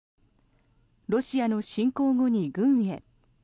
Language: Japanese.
ロシアの侵攻後に軍へ。